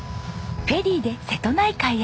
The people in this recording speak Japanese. フェリーで瀬戸内海へ。